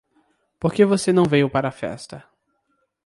Por que você não veio para a festa?